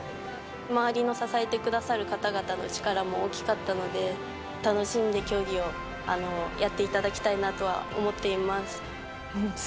周りの支えてくださる方々の力も大きかったので、楽しんで競技をやっていただきたいなとは思っています。